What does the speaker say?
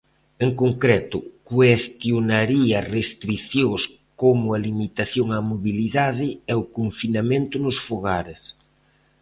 En concreto, cuestionaría restricións como a limitación á mobilidade e o confinamento nos fogares.